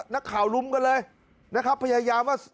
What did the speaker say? นักข่าวรุมกันเลยนะครับพยายามว่า